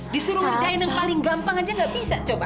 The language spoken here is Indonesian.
disuruh kerjain yang paling gampang aja gak bisa coba